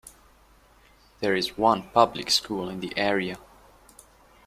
There is one public school in the area.